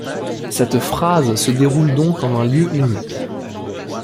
Cette phase se déroule donc en un lieu unique.